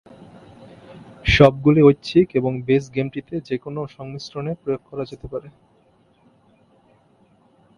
সবগুলি ঐচ্ছিক এবং বেস গেমটিতে যেকোনো সংমিশ্রণে প্রয়োগ করা যেতে পারে।